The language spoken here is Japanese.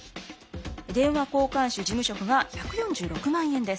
電話交換手事務職が１４６万円です。